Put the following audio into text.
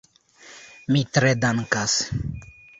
Mi tre dankas.